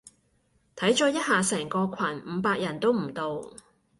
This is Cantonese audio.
睇咗一下成個群，五百人都唔到